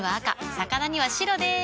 魚には白でーす。